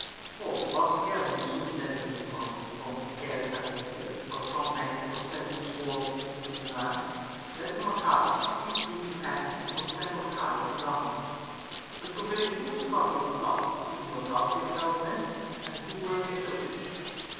For whilst Charon, as soon as ever he parted from Archias and Philip, was come back and was setting us forward to execute the design, a letter from Archias, the chief priest of Athens, was sent to Archias our governor, which contained a full discovery of the plot, in what house the exiles met, and who were the associates.